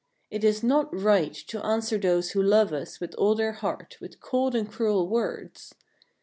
" It is not right to answer those who love us with all their heart with cold and cruel words.